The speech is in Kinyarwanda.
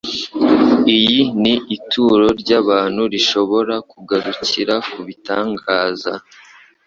iyi ni ituro ryabantu rishobora kugarukira kubitangaza."